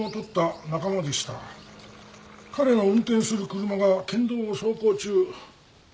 彼が運転する車が県道を走行中